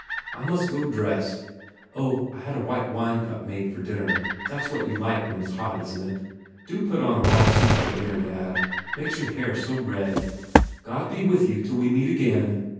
I must go dress. Oh, I had whitewine cup made for dinner. That s what you like when it s hot, isn t it? Do put on a white suit for dinner, dad. Makes your hair so red. God be with you till we meet again."